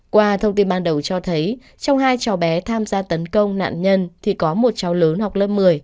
qua thông tin ban đầu cho thấy trong hai cháu bé tham gia tấn công nạn nhân thì có một cháu lớn học lớp một mươi